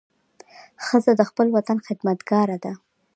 ښځه د خپل وطن خدمتګاره ده.